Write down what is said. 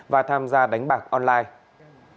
và tham gia đánh bạc online